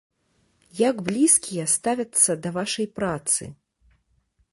Як блізкія ставяцца да вашай працы?